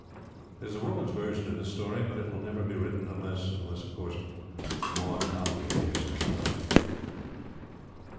There is a woman's version of this story, but it will never be written.... unless Maud Copleigh cares to try.